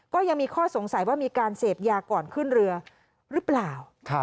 ก็ยังมีข้อสงสัยว่ามีการเสพยาก่อนขึ้นเรือหรือเปล่า